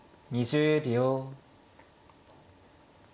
２０秒。